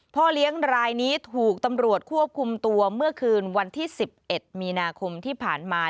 พ่อเลี้ยงรายนี้ถูกตำรวจควบคุมตัวเมื่อคืนวันที่๑๑มีนาคมที่ผ่านมา